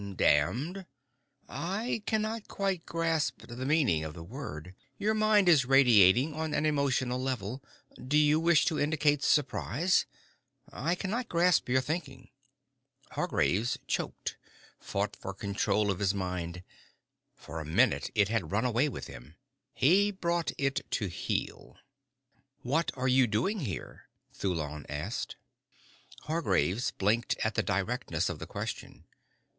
"Damned? I cannot quite grasp the meaning of the word. Your mind is radiating on an emotional level. Do you wish to indicate surprise? I cannot grasp your thinking." Hargraves choked, fought for control of his mind. For a minute it had run away with him. He brought it to heel. "What are you doing here?" Thulon asked. Hargraves blinked at the directness of the question.